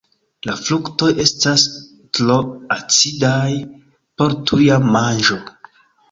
La fruktoj estas tro acidaj por tuja manĝo.